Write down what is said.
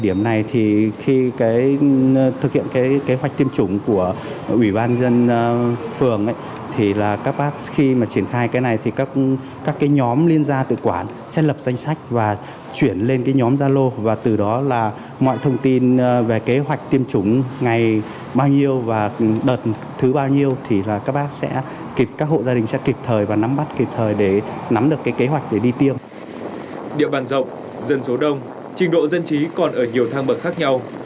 điểm bàn rộng dân số đông trình độ dân trí còn ở nhiều thang bậc khác nhau